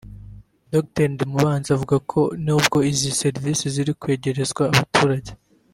Dr Ndimubanzi avuga ko n’ubwo izi serivise ziri kwegerezwa abaturage